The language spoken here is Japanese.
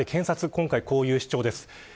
今回こういう主張です。